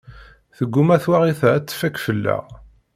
Tgumma twaɣit-a ad tfak fell-aɣ.